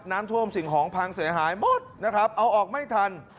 น้ำท่วมสิ่งของพังเสียหายหมดนะครับเอาออกไม่ทัน